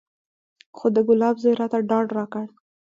خو د ګلاب زوى راته ډاډ راکړ.